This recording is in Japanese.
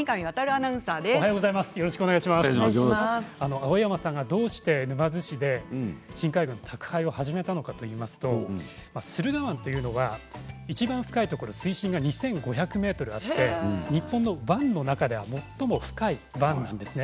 青山さんが、どうして沼津市で深海魚の宅配を始めたのかといいますと駿河湾というのは深いところで水深が２５００ｍと日本の湾の中では最も深いんですね。